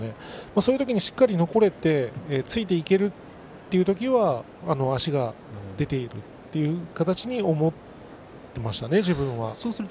そういう時にしっかり残れてついていけるという時は足が出ていくという形に思っていましたね、自分は。